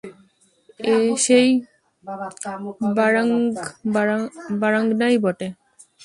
এ সেই বারাঙ্গনাই বটে।